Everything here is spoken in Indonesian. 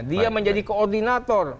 dia menjadi koordinator